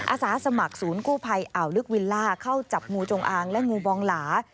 อาสาสมัครศูนย์กู้ภัยอ่าวลึกวิลล่าเข้าจับงูจงอางและงูบองหลา